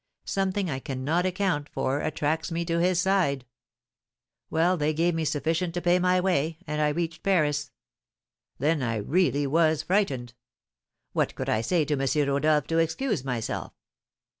Something I cannot account for attracts me to his side.' Well, they gave me sufficient to pay my way, and I reached Paris. Then I really was frightened. What could I say to M. Rodolph to excuse myself?